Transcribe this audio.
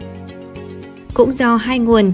cũng do hai ngôi nhà ông đã được tên là lý thường kiệt